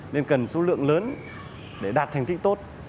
nên cần số lượng lớn để đạt thành tích tốt